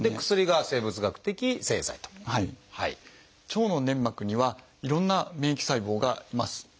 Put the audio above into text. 腸の粘膜にはいろんな免疫細胞がいます。